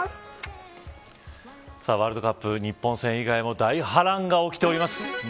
さあ、ワールドカップ日本戦以外も大波乱が起きております。